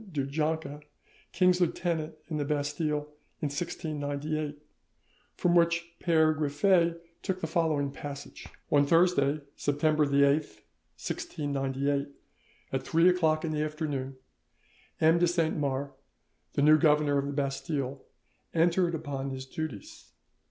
du Jonca, King's Lieutenant in the Bastille in 1698, from which Pere Griffet took the following passage:— "On Thursday, September the 8th, 1698, at three o'clock in the afternoon, M. de Saint Mars, the new governor of the Bastille, entered upon his duties.